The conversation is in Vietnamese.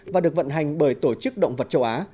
và được vận hành bởi tổ chức động vật châu á